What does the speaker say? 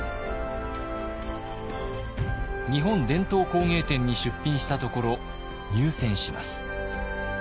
日本伝統工芸展に出品したところ入選します。